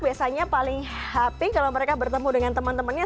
biasanya paling happy kalau mereka bertemu dengan teman temannya